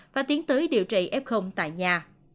và tiến tới điều trị f tại nhà